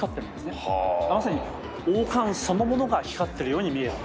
まさに王冠そのものが光ってるように見えるんです。